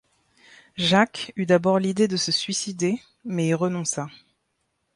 Jacques eut d'abord l'idée de se suicider mais y renonça.